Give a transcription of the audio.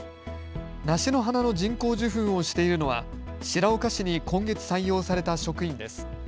梨の花の人工授粉をしているのは白岡市に今月採用された職員です。